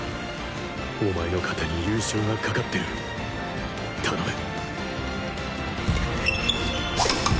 お前の肩に優勝がかかってる頼む